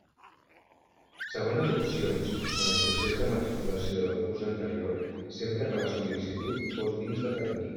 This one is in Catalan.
Segones opcions, en el procés de matriculació del curs anterior, sempre que la sol·licitud fos dins de termini.